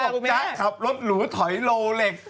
เค้าบอกว่าจะจ๊ะขับรถหรูไทยโลเว็ค